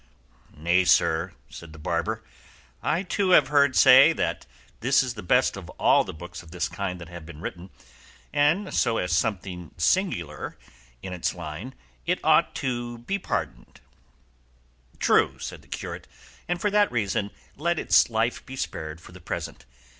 "Nay, sir," said the barber, "I too, have heard say that this is the best of all the books of this kind that have been written, and so, as something singular in its line, it ought to be pardoned." "True," said the curate; "and for that reason let its life be spared for the present.